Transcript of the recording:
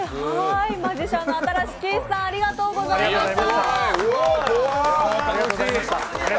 マジシャンの新子景視さんありがとうございました。